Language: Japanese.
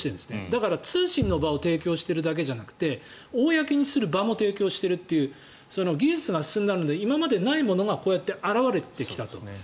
だから、通信の場を提供してるだけじゃなくて公にする場も提供しているという技術が進んだので今までないものがこうやって現れてきたと。